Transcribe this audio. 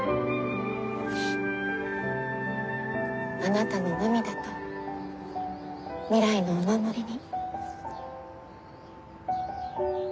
あなたの涙と未来のお守りに。